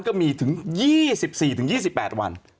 ก็มีถึง๒๔๒๘วัน